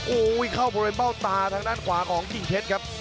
โอ้โหเข้าบริเวณเบ้าตาทางด้านขวาของกิ่งเพชรครับ